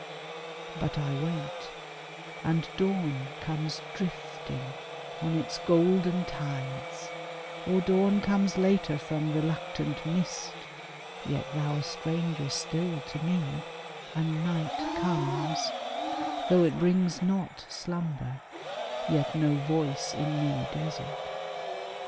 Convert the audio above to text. But I wait, And dawn comes drifting on its golden tides, Qr dawn comes later from reluctant mist, Yet thou a stranger still to me, and night Comes, though it brings not slumber, yet no voice In me a desert.